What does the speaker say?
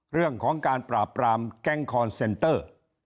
เรื่องของการปราบปรามแก๊งคอนเซนเตอร์